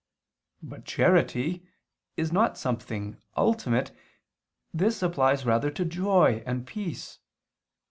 But charity is not something ultimate, this applies rather to joy and peace.